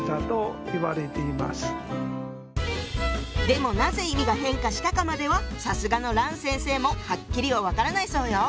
でもなぜ意味が変化したかまではさすがの欒先生もはっきりは分からないそうよ。